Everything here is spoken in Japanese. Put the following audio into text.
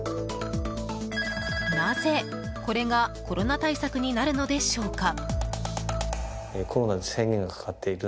なぜ、これがコロナ対策になるのでしょうか？